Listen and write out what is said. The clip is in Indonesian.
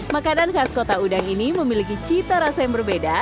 makanan khas kota udang ini memiliki cita rasa yang berbeda